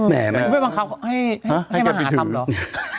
มันไม่บำคับให้มาหาทำแห้ง